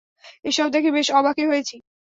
এসব দেখে বেশ অবাকই হয়েছি।